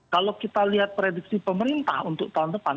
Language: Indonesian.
kalau kita lihat prediksi pemerintah untuk tahun depan